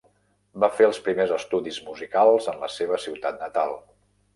Va fer els primers estudis musicals en la seva ciutat natal.